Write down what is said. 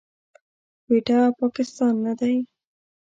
کويټه، پاکستان نه دی.